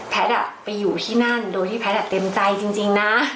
แพทย์อ่ะไปอยู่ที่นั่นโดยที่แพทย์อ่ะเต็มใจจริงนะ